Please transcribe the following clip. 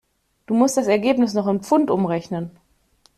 Du musst das Ergebnis noch in Pfund umrechnen.